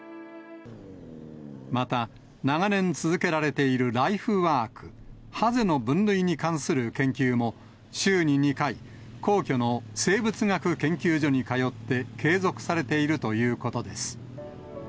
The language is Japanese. また、長年続けられているライフワーク、ハゼの分類に関する研究も、週に２回、皇居の生物学研究所に通って、継続されているということです。